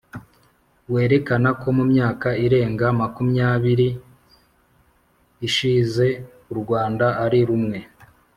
werekana ko mu myaka irenga makumyabiri ishize u Rwanda ari rumwe